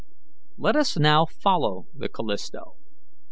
Let us now follow the Callisto.